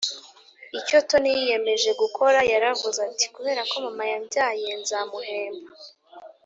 icyo Tony yiyemeje gukora Yaravuze ati kubera ko mama yambyaye nzamuhemba